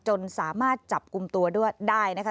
จนสามารถจับกลุ่มตัวด้วยได้นะคะ